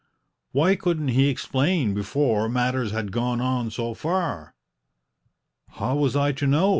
"Why couldn't he explain before matters had gone on so far?" "How was I to know?"